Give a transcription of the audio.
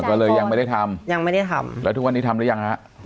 ก็เลยยังไม่ได้ทำยังไม่ได้ทำแล้วทุกวันนี้ทำหรือยังฮะ